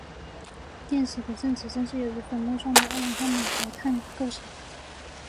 电池的正极主要是由粉末状的二氧化锰和碳构成。